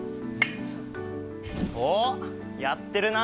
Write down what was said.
おっ、やってるな。